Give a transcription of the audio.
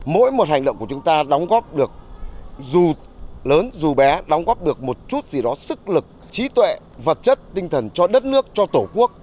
mỗi một hành động của chúng ta đóng góp được dù lớn dù bé đóng góp được một chút gì đó sức lực trí tuệ vật chất tinh thần cho đất nước cho tổ quốc